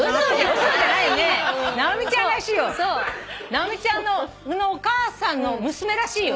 直美ちゃんのお母さんの娘らしいよね